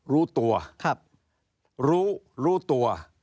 รู้ตัวรู้รู้ตัว